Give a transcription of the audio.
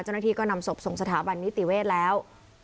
เจ้าหน้าที่ก็นำศพส่งสถาบันนิติเวศแล้ว